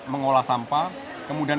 mengolah sampah kemudian